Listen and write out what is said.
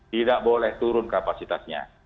tidak boleh turun kapasitasnya